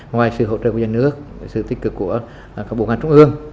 ngoài sự hỗ trợ của dân nước sự tích cực của các bộ ngàn trung ương